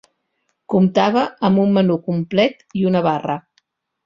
Comptava amb un menú complet i una barra.